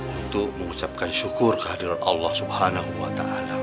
untuk mengucapkan syukur kehadiran allah swt